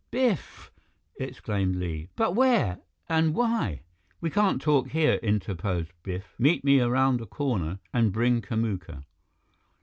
"Biff!" exclaimed Li. "But where and why " "We can't talk here," interposed Biff. "Meet me around the corner and bring Kamuka."